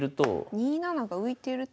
２七が浮いてると。